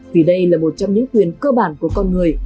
vì đây là một trong những quyền cơ bản của con người